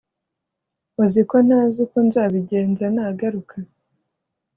uziko ntazi uko nzabigenza nagaruka